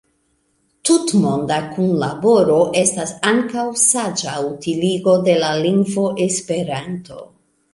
Tutmonda kunlaboro estas ankaŭ saĝa utiligo de la lingvo Esperanto.